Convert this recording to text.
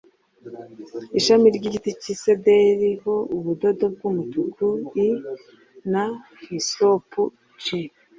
ishami ry igiti cy isederi h ubudodo bw umutuku i na hisopu j